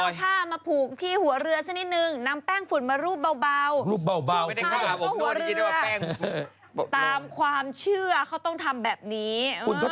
ชาวบานค่าวแบบนี้เขาต้องทำแบบนั้นต้องอมค์งายกันมาตลอด